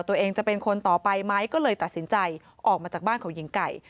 ตัวเองจะเป็นคนต่อไปไหมก็เลยตัดสินใจออกมาจากบ้านของหญิงไก่